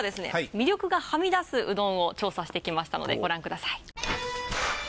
魅力がはみだすうどんを調査してきましたのでご覧ください。